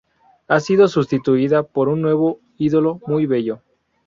Ha sido sustituida por un nuevo ídolo muy bello.